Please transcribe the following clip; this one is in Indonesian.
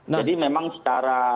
jadi memang secara